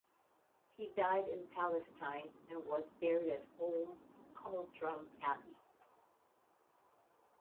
He died in Palestine and was buried at Holm Cultram Abbey.